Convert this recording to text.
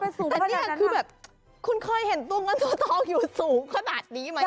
แต่นี่คือแบบคุณเคยเห็นตัวเงินตัวทองอยู่สูงขนาดนี้ไหม